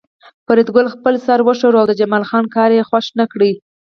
فریدګل خپل سر وښوراوه او د جمال خان کار یې خوښ نکړ